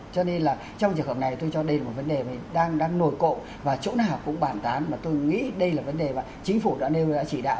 cho nên là trong trường hợp này tôi cho đây là một vấn đề đang nổi cộ và chỗ nào cũng bàn tán mà tôi nghĩ đây là vấn đề mà chính phủ đã nêu ra chỉ đạo